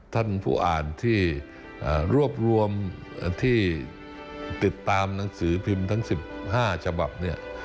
ท่านผู้อ่านที่รวบรวมที่ติดตามหนังสือพิมพ์ทั้ง๑๕ฉบับเนี่ย